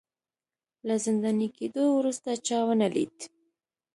له زنداني کېدو وروسته چا ونه لید